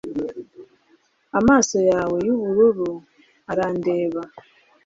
amaso yawe yubururu arandeba